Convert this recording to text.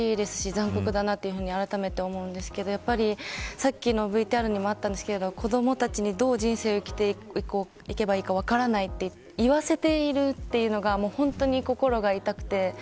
残酷だなとあらためて思うんですけどさっきのＶＴＲにもあったんですけど子どもたちに、どう人生を生きていけば分からないと言わせているというのが本当に心が痛くて。